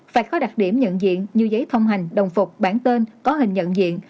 phải có đặc điểm nhận diện như giấy thông hành đồng phục bản tên có hình nhận diện